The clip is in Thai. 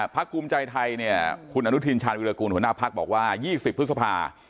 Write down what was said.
พักภูมิใจไทยเนี่ยคุณอนุทินชาญวิรากูลหัวหน้าพักบอกว่า๒๐พฤษภา